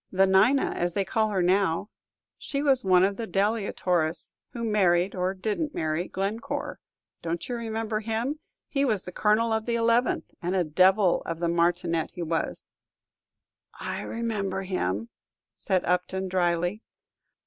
"The Nina, as they call her now. She was one of the Delia Torres, who married, or didn't marry, Glencore. Don't you remember him? He was Colonel of the Eleventh, and a devil of a martinet he was." "I remember him," said Upton, dryly.